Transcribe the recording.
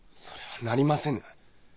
それはなりませぬ。